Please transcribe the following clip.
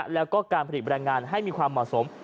แล้วก็การผลิตแรงงานให้มีความเหมาะสม